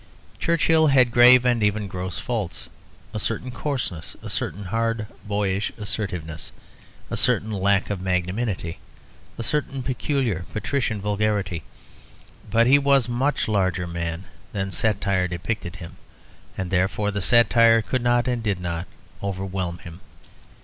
Churchill had grave and even gross faults, a certain coarseness, a certain hard boyish assertiveness, a certain lack of magnanimity, a certain peculiar patrician vulgarity. But he was a much larger man than satire depicted him, and therefore the satire could not and did not overwhelm him.